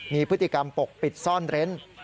มีพฤติกรรมปกปิดซ่อนเร้น